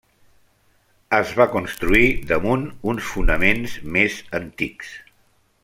Es va construir damunt uns fonaments més antics.